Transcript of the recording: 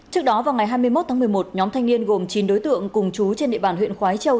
trước đó vào ngày hai mươi một tháng một mươi một nhóm thanh niên gồm chín đối tượng cùng chú trên địa bàn huyện khói châu